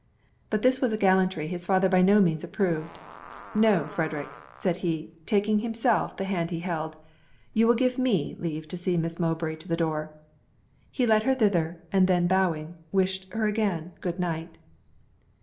But this was a gallantry his father by no means approved. 'No, Frederic,' said he, taking himself the hand he held, 'you will give me leave to see Miss Mowbray to the door.' He led her thither, and then bowing, wished her again good night.